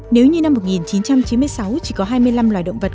nếu như năm một nghìn chín trăm chín mươi sáu chỉ có hai mươi năm loài động vật